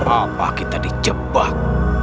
apa kita dijebak